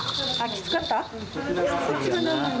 きつかった？